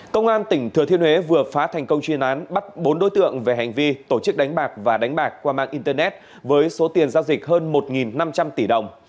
công an tỉnh thừa thiên huế vừa phá thành công chuyên án bắt bốn đối tượng về hành vi tổ chức đánh bạc và đánh bạc qua mạng internet với số tiền giao dịch hơn một năm trăm linh tỷ đồng